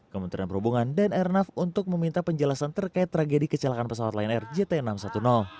kementerian perhubungan dan airnav untuk meminta penjelasan terkait tragedi kecelakaan pesawat lion air jt enam ratus sepuluh